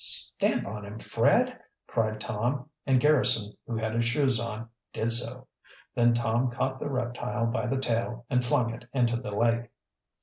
"Stamp on him, Fred!" cried Tom, and Garrison, who had his shoes on, did so. Then Tom caught the reptile by the tail and flung it into the lake.